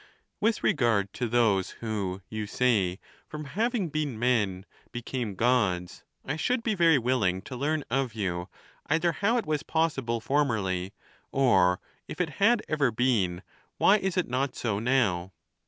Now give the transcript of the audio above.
With re gard to those who, you say, from having been men became Gods, I should be very willing to learn of you, either how it was possible formerly, or, if it had ever been, why is it not so now